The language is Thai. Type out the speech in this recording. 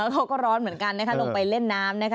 เขาก็ร้อนเหมือนกันลงไปเล่นน้ำ